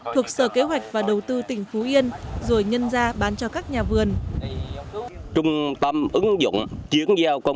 thuộc sở kế hoạch và đầu tư tỉnh phú yên rồi nhân ra bán cho các nhà vườn